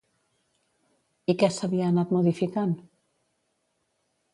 I què s'havia anat modificant?